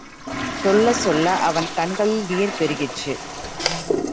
சொல்லச் சொல்ல, அவன் கண்களில் நீர் பெருகிற்று.